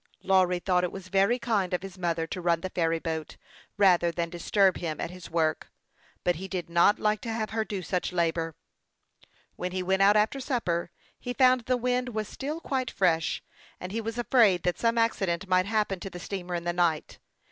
Lawry thought it was very kind of his mother to run the ferry boat, rather than disturb him at his work ; but he did not like to have her do such labor. When he went out after supper, he found the wind was still quite fresh, and he was afraid that some acci dent might happen to the steamer in the night.